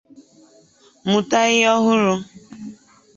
mụta ihe ọhụrụ